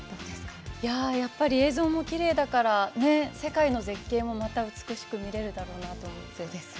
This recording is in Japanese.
やっぱり映像もきれいだから世界の絶景もまた美しく見れるだろうなと思って。